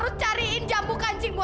terima kasih ya bu